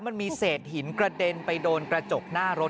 มันมีเศษหินกระเด็นไปโดนกระจกหน้ารถ